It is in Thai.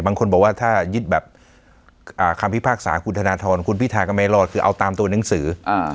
บางคนบอกว่าถ้ายึดแบบคำพิพากษาคุณธนทรคุณพิธาก็ไม่รอดคือเอาตามตัวหนังสือ